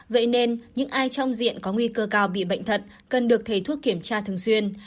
vậy nên những ai trong diện có nguy cơ cao bị bệnh thật cần được thầy thuốc kiểm tra thường xuyên